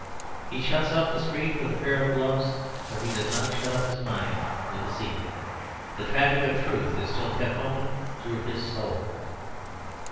He shuts up the street with a pair of gloves, but he does not shut up his mind with a secret. The traffic of truth is still kept open through his soul.